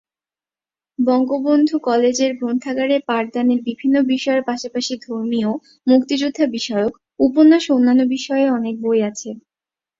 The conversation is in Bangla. বঙ্গবন্ধু কলেজের গ্রন্থাগারে পাঠদানের বিভিন্ন বিষয়ের পাশাপাশি ধর্মীয়, মুক্তিযোদ্ধা বিষয়ক, উপন্যাস ও অন্যান্য বিষয়ে অনেক বই আছে।